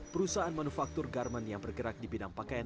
perusahaan manufaktur garmen yang bergerak di bidang pakaian